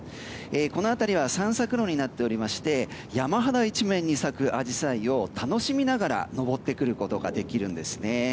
この辺りは散策路になっておりまして山肌一面に咲くアジサイを楽しみながら登ってくることができるんですね。